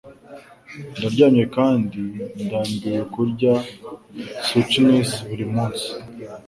Ndarwaye kandi ndambiwe kurya zucchinis buri munsi.